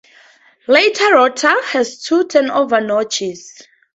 Later rotors had two turnover notches.